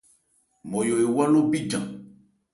Nmɔyo ewá ló bíjan.